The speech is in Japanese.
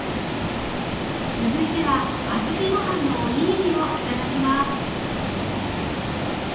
続いては小豆ご飯のおにぎりを頂きます